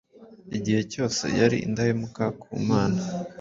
igihe cyose yari indahemuka ku Mana.